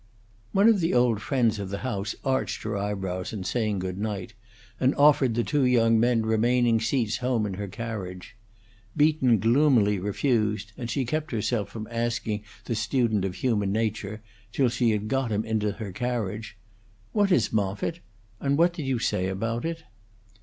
One of the old friends of the house arched her eyebrows in saying good night, and offered the two young men remaining seats home in her carriage. Beaton gloomily refused, and she kept herself from asking the student of human nature, till she had got him into her carriage, "What is Moffitt, and what did you say about it?"